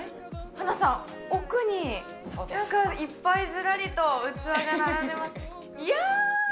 ハナさん奥になんかいっぱいずらりと器が並んでますいや！